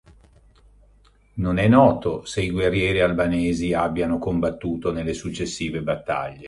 Non è noto se i guerrieri albanesi abbiano combattuto nelle successive battaglie.